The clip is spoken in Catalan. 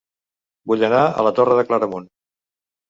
Vull anar a La Torre de Claramunt